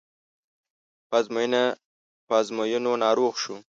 په ازموینو ناروغ شو.